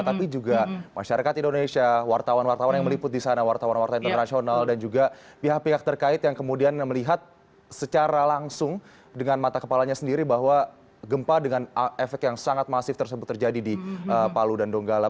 tapi juga masyarakat indonesia wartawan wartawan yang meliput di sana wartawan wartawan internasional dan juga pihak pihak terkait yang kemudian melihat secara langsung dengan mata kepalanya sendiri bahwa gempa dengan efek yang sangat masif tersebut terjadi di palu dan donggala